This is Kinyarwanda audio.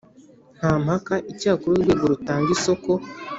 Nta mpaka icyakora urwego rutanga isoko